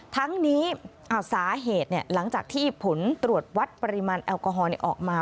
ทั้งนี้สาเหตุหลังจากที่ผลตรวจวัดปริมาณแอลกอฮอลออกมา